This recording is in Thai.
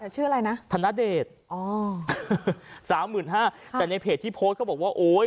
แต่ชื่ออะไรนะธนเดชอ๋อสามหมื่นห้าแต่ในเพจที่โพสต์เขาบอกว่าโอ้ย